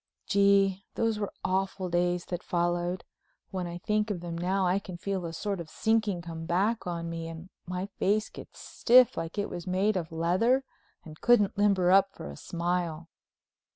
Gee, those were awful days that followed! When I think of them now I can feel a sort of sinking come back on me and my face gets stiff like it was made of leather and couldn't limber up for a smile.